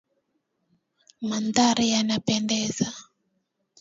Mandhari yanapendeza.